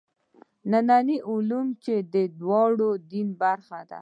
ننني علوم چې دواړه د دین برخه دي.